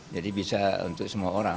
jadi bisa untuk semua orang